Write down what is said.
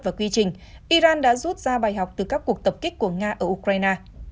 vi trình iran đã rút ra bài học từ các cuộc tập kích của nga ở ukraine